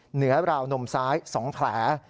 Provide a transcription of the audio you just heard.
เหนือราวนมซ้าย๒แผล